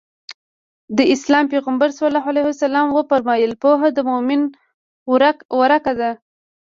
د اسلام پيغمبر ص وفرمايل پوهه د مؤمن ورکه ده.